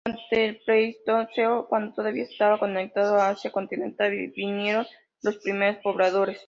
Durante el Pleistoceno, cuando todavía estaba conectado a Asia continental, vinieron los primeros pobladores.